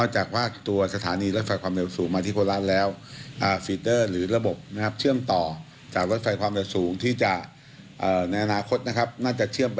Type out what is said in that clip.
จากสถานีรถไฟความเร็วสูงสู่ระบบขนส่งอื่น